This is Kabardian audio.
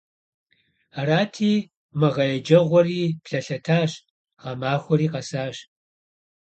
Арати, мы гъэ еджэгъуэри блэлъэтащ, гъэмахуэри къэсащ.